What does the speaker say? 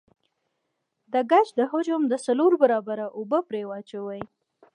د ګچ د حجم د څلور برابره اوبه پرې واچوئ.